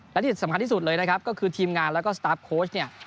และที่สำคัญที่สุดเลยนะครับก็คือทีมงานแล้วก็สตาร์ฟโค้ชเนี่ย